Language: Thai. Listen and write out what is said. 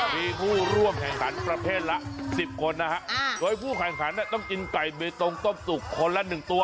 มีผู้ร่วมแข่งขันประเภทละ๑๐คนนะฮะโดยผู้แข่งขันต้องกินไก่เบตงต้มสุกคนละ๑ตัว